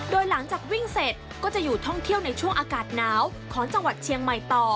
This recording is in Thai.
โดยหลังจากวิ่งเสร็จก็จะอยู่ท่องเที่ยวในช่วงอากาศหนาวของจังหวัดเชียงใหม่ต่อ